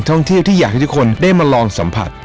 ท่องเที่ยวที่อยากให้ทุกคนได้มาลองสัมผัส